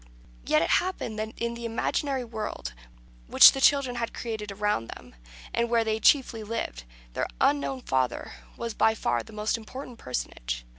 Yet it happened that in the imaginary world which the children had created around them, and where they chiefly lived, their unknown father was by far the most important personage.